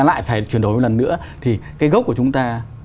lại phải chuyển đổi một lần nữa thì cái gốc của chúng ta